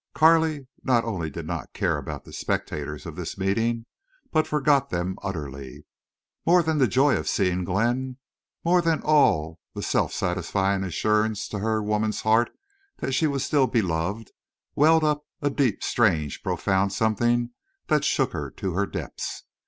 Carley not only did not care about the spectators of this meeting, but forgot them utterly. More than the joy of seeing Glenn, more than the all satisfying assurance to her woman's heart that she was still beloved, welled up a deep, strange, profound something that shook her to her depths.